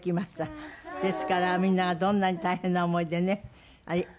ですからみんながどんなに大変な思いでね。